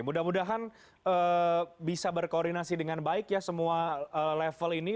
mudah mudahan bisa berkoordinasi dengan baik ya semua level ini